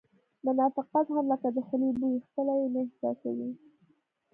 منافقت هم لکه د خولې بوی خپله یې نه احساسوې